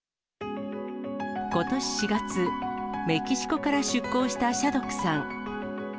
ことし４月、メキシコから出航したシャドックさん。